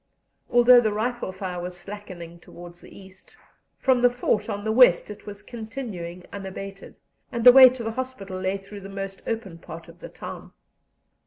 Although the rifle fire was slackening towards the east, from the fort, on the west it was continuing unabated; and the way to the hospital lay through the most open part of the town.